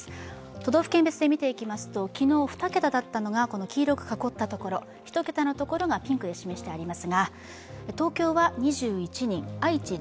都道府県別に見えていきますと、昨日、２桁だったのが黄色く囲ったところ１桁のところがピンクで示してあります。